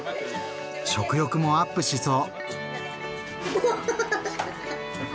食欲もアップしそう！